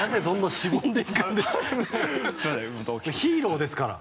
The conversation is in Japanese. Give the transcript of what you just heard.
ヒーローですから！